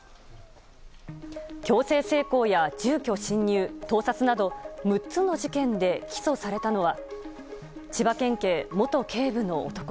強制性交や住居侵入盗撮など６つの事件で起訴されたのは千葉県警元警部の男。